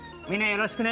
よろしく！